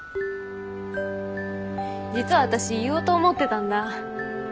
実は私言おうと思ってたんだ。